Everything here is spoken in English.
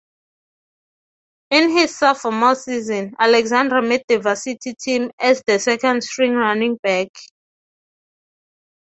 In his sophomore season, Alexander made the varsity team as the second-string running back.